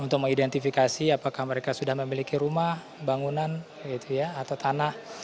untuk mengidentifikasi apakah mereka sudah memiliki rumah bangunan atau tanah